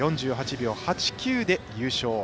４８秒８９で優勝。